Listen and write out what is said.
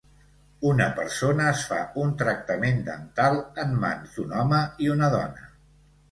Una persona es fa un tractament dental en mans d'un home i una dona.